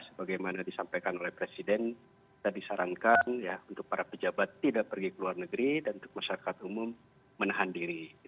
sebagaimana disampaikan oleh presiden kita disarankan untuk para pejabat tidak pergi ke luar negeri dan untuk masyarakat umum menahan diri